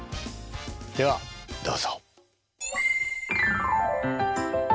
ではどうぞ。